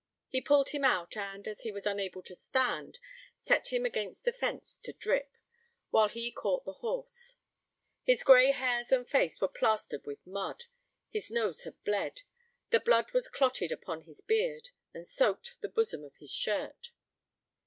He pulled him out, and, as he was unable to stand, set him against the fence to drip, while he caught the horse; his gray hairs and face were plastered with mud; his nose had bled; the blood was clotted upon his beard, and soaked the bosom of his shirt.